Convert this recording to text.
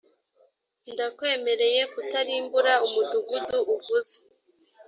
ndakwemereye kutarimbura umudugudu uvuze